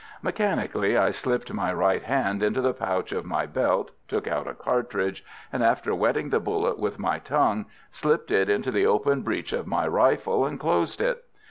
Mechanically I slipped my right hand into the pouch of my belt, took out a cartridge, and after wetting the bullet with my tongue, slipped it into the open breech of my rifle and closed it.